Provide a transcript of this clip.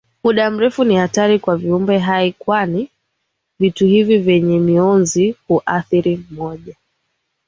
muda mrefu Ni hatari kwa viumbe hai kwani vitu hivi vyenye mionzi huathiri moja